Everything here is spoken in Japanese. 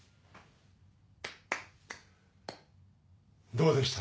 どうでした？